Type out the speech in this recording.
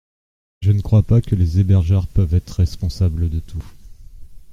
Je ne crois pas que les hébergeurs peuvent être responsables de tout.